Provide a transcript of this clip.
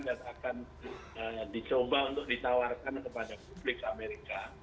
dan akan dicoba untuk ditawarkan kepada publik amerika